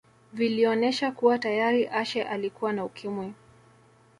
vilionesha kuwa tayari Ashe alikuwa na Ukimwi